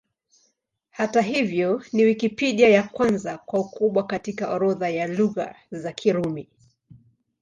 Hata hivyo, ni Wikipedia ya kwanza kwa ukubwa katika orodha ya Lugha za Kirumi.